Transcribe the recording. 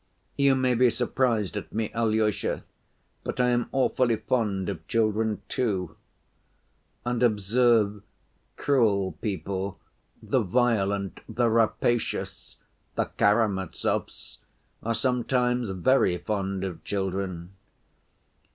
You may be surprised at me, Alyosha, but I am awfully fond of children, too. And observe, cruel people, the violent, the rapacious, the Karamazovs are sometimes very fond of children.